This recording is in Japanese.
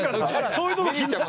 そういうとこ気になっちゃう？